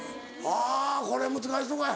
あぁこれ難しいとこや。